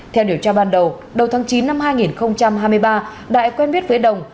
theo điều tra ban đầu đầu tháng chín năm hai nghìn hai mươi ba đại quen biết với đồng